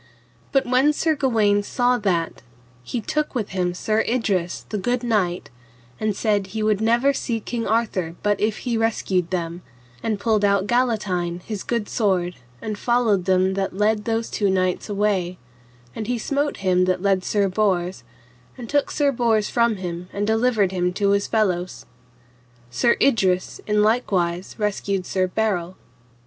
But when Sir Gawaine saw that, he took with him Sir Idrus the good knight, and said he would never see King Arthur but if he rescued them, and pulled out Galatine his good sword, and followed them that led those two knights away; and he smote him that led Sir Bors, and took Sir Bors from him and delivered him to his fellows. And Sir Idrus in likewise rescued Sir Berel.